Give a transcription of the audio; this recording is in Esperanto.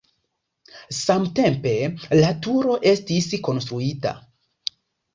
Samtempe la turo estis konstruita.